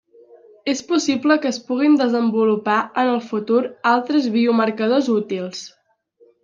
És possible que es puguin desenvolupar en el futur altres biomarcadors útils.